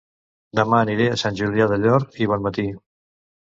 Dema aniré a Sant Julià del Llor i Bonmatí